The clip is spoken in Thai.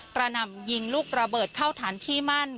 หนำยิงลูกระเบิดเข้าฐานที่มั่น